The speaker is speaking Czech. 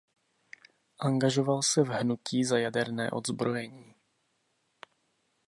Angažoval se v hnutí za jaderné odzbrojení.